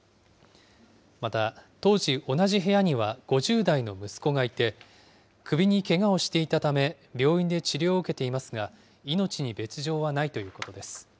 また、当時同じ部屋には５０代の息子がいて、首にけがをしていたため病院で治療を受けていますが、命に別状はないということです。